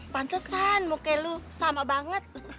pantesan muka lu sama banget